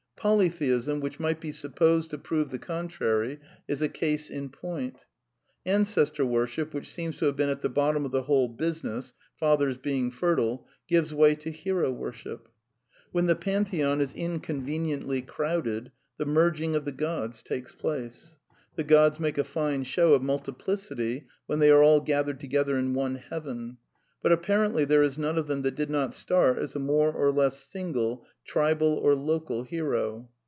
Polytheism, which might be supposed to prove the con trary, is a case in point. Ancestor worship, which seems to have been at the bottom of the whole business (fathers being fertile), gives way to hero worship. When the pantheon is inconveniently crowded, the merging of the gods takes place. The gods make a fine show of multi ty when they are all gathered together in one heaven ; apparently *^ there is none of them that did not start I as a more or less single tribal or local hero.